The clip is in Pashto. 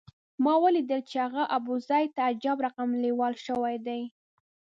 ما ولیدل چې هغه ابوزید ته عجب رقم لېوال شوی دی.